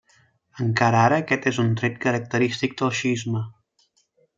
Encara ara, aquest és un tret característic del xiisme.